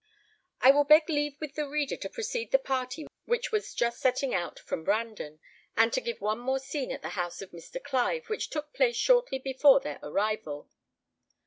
I will beg leave with the reader to precede the party which was just setting out from Brandon, and to give one more scene at the house of Mr. Clive, which took place shortly before their arrival.